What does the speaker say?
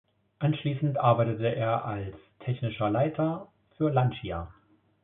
Anschließend arbeitete er als technischer Leiter für Lancia.